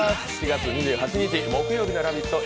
７月２８日木曜日の「ラヴィット！」。